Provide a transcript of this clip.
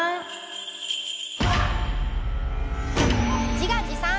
「自画自賛」。